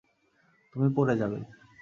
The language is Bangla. তুমি পড়ে যাবে।